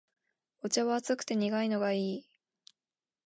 お茶は熱くて苦いのがいい